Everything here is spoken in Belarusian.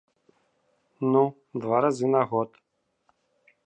Ну, два разы на год.